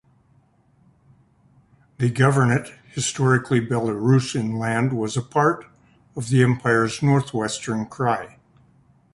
The governorate, historically Belarusian land, was a part of the Empire's Northwestern Krai.